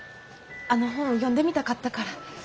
あの本読んでみたかったから。